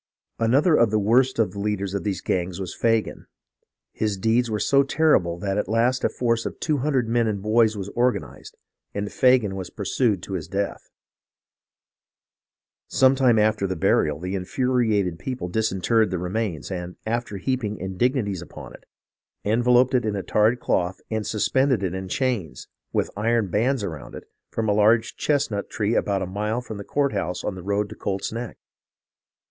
" Another of the worst of the leaders of these gangs was Faaan. His deeds were so terrible that at last a force of two hundred men and boys was organized, and Fagan was pursued to his death. Some time after the burial the in furiated people disinterred the remains, and, after heaping indignities upon it, enveloped it in a tarred cloth and sus pended it in chains, with iron bands around it, from a large chestnut tree about a mile from the courthouse, on the road to Colt's Neck.